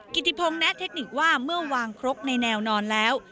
กิติพงศ์แทะเทคนิคว่าเมื่อวางครกในแนวนอนแล้ว